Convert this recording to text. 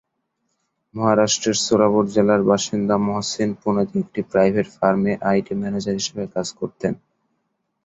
মহারাষ্ট্রের সোলাপুর জেলার বাসিন্দা মহসিন পুনেতে একটি প্রাইভেট ফার্মে আইটি ম্যানেজার হিসাবে কাজ করতেন।